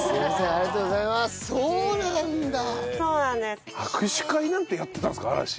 ああそうなんだ。